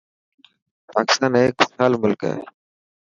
پاڪستان هيڪ خوشحال ملڪ هي.